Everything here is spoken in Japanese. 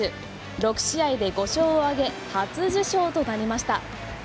６試合で５勝を挙げ初受賞となりました。